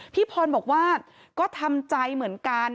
พี่พรบอกว่าก็ทำใจเหมือนกัน